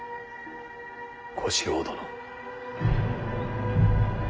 小四郎殿。